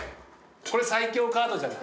これ最強カードじゃない？